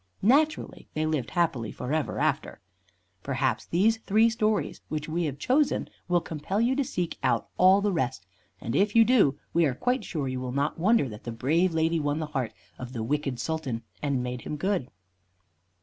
Naturally, they lived happily forever after. Perhaps these three stories which we have selected will compel you to seek out all the rest, and if you do, we are quite sure you will not wonder that the brave lady won the heart of the wicked Sultan and made him good.